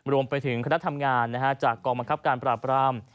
รวมไปถึงคณะทำงานจากกองบังคับการปราบราม